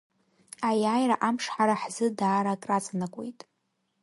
Аиааира амш ҳара ҳзы даара акраҵанакуеит.